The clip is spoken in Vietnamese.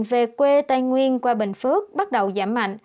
về quê tây nguyên qua bình phước bắt đầu giảm mạnh